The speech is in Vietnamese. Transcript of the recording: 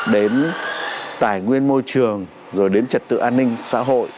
đến tài nguyên môi trường rồi đến trật tự an ninh xã hội